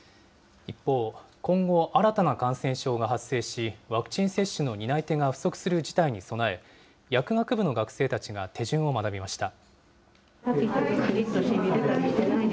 一方、今後、新たな感染症が発生し、ワクチン接種の担い手が不足する事態に備え、薬学部の学生たちが手順を学びました。